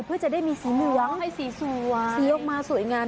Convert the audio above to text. เพื่อจะได้มีสีสวยสีออกมาสวยงาม